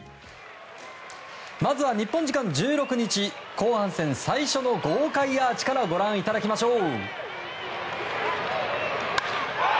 まずは日本時間１６日後半戦最初の豪快アーチからご覧いただきましょう！